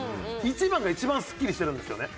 １番が一番すっきりしてるんですよね。